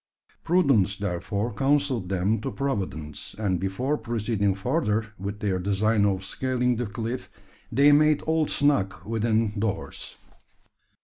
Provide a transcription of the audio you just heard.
Prudence therefore counselled them to providence; and before proceeding farther with their design of scaling the cliff, they made all snug within doors.